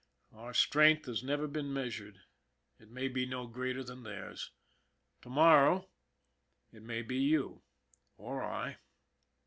Our strength has never been measured. It may be no greater than theirs. To morrow it may be you or I.